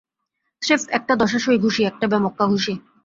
স্রেফ একটা দশাসই ঘুষি, একটা বেমক্কা ঘুষি।